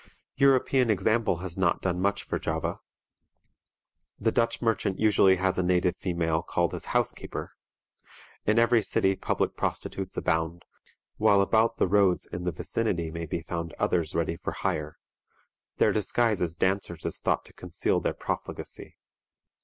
European example has not done much for Java. The Dutch merchant has usually a native female called his housekeeper. In every city public prostitutes abound, while about the roads in the vicinity may be found others ready for hire. Their disguise as dancers is thought to conceal their profligacy.